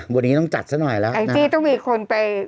วันนี้ต้องจัดซะหน่อยแล้วนะ